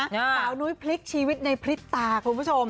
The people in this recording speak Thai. สาวนุ้ยพลิกชีวิตในพริบตาคุณผู้ชม